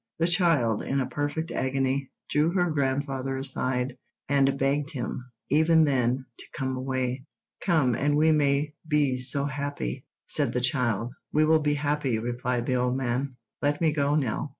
The child, in a perfect agony, drew her grandfather aside, and begged him, even then, to come away. "Come, and we may be so happy," said the child. "We will be happy," replied the old man. "Let me go, Nell.